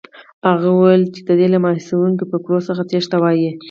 هغه وویل دې ته له مایوسوونکو فکرو څخه تېښته وایي.